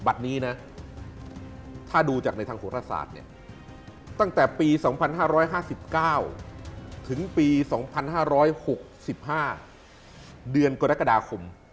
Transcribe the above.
นี้นะถ้าดูจากในทางโหรศาสตร์เนี่ยตั้งแต่ปี๒๕๕๙ถึงปี๒๕๖๕เดือนกรกฎาคม